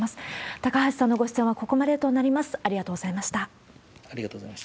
高橋さんのご出演は、ここまでとなります。